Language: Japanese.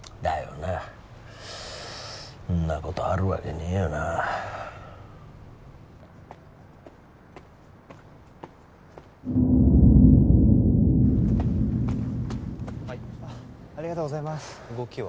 なんなことあるわけねえよなはいありがとうございます動きは？